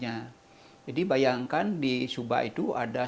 maka timbangan enjoyed saja saja ke kegelapan